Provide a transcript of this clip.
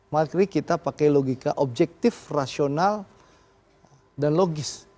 mari kita pakai logika objektif rasional dan logis